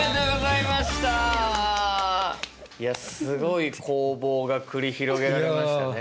いやすごい攻防が繰り広げられましたね。